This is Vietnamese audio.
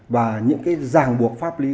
và những giảng buộc pháp lý